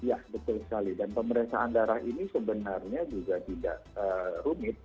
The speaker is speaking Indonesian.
ya betul sekali dan pemeriksaan darah ini sebenarnya juga tidak rumit